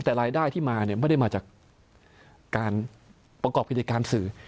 แต่รายได้ที่มาเนี่ยไม่ได้มาจากการประกอบกิจการสื่อ